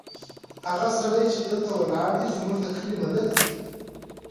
هغه سړی چې دلته ولاړ دی، زموږ د کلي ملک دی.